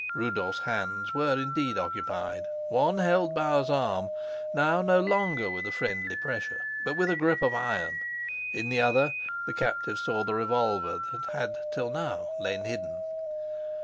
Rudolf's hands were indeed occupied; one held Bauer's arm, now no longer with a friendly pressure, but with a grip of iron; in the other the captive saw the revolver that had till now lain hidden.